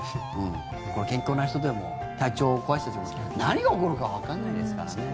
健康な人でも体調壊したり何が起こるかわかんないですからね。